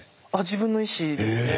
自分の意思ですね。